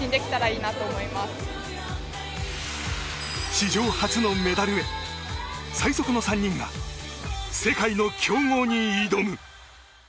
史上初のメダルへ最速の３人が世界の強豪に挑む。